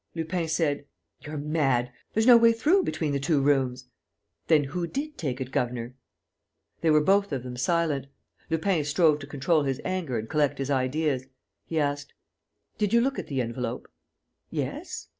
Lupin said: "You're mad! There's no way through between the two rooms." "Then who did take it, governor?" They were both of them silent. Lupin strove to control his anger and collect his ideas. He asked: "Did you look at the envelope?" "Yes."